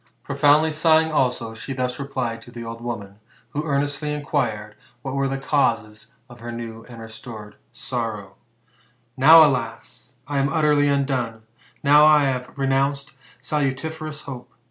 Profoundly sighing also, she thus replied to the old woman, who earnestly inquired what were the causes of her new and restored sorrow :*' Now, alas ! I am utterly undone, now I have renounced salutiferous hope.